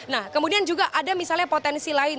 nah kemudian juga ada misalnya potensi lain